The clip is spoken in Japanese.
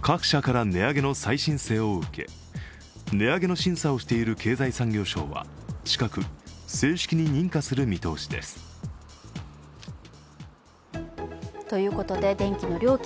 各社から値上げの再申請を受け、値上げの審査をしている経済産業省は近く、正式に認可する見通しです。ということで、電気の料金